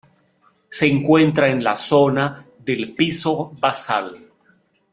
Se encuentra en la zona del piso basal.